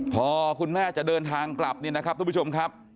พอคุณแม่จะเดินทางกลับเนี่ยนะครับทุกผู้ชมครับ